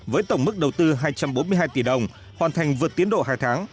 với tổng mức đầu tư hai trăm bốn mươi hai tỷ đồng hoàn thành vượt tiến độ hai tháng